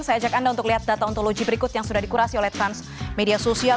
saya ajak anda untuk lihat data ontologi berikut yang sudah dikurasi oleh transmedia sosial